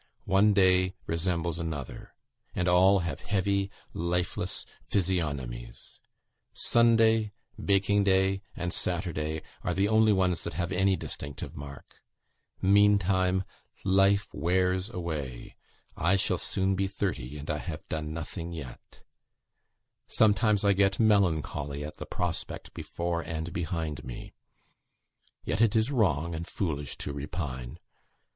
One day resembles another; and all have heavy, lifeless physiognomies. Sunday, baking day, and Saturday, are the only ones that have any distinctive mark. Meantime, life wears away. I shall soon be thirty; and I have done nothing yet. Sometimes I get melancholy at the prospect before and behind me. Yet it is wrong and foolish to repine.